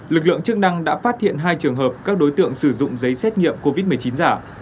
lực lượng chức năng đã phát hiện hai trường hợp các đối tượng sử dụng giấy xét nghiệm covid một mươi chín giả